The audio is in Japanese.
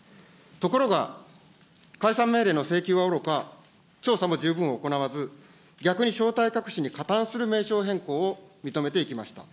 ところが、解散命令の請求はおろか、調査も十分行わず、逆に正体隠しに加担する名称変更を認めていきました。